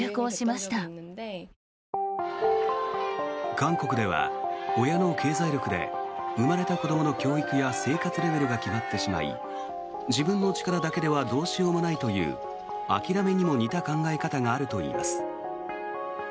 韓国では親の経済力で生まれた子どもの教育や生活レベルが決まってしまい自分の力だけではどうしようもないという諦めにも似た考え方があるといいます。